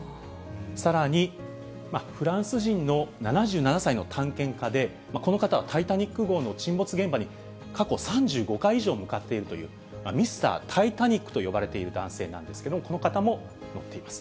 さらに、フランス人の７７歳の探検家で、この方はタイタニック号の沈没現場に過去３５回以上向かっているという、ミスター・タイタニックと呼ばれている男性なんですけれども、この方も乗っています。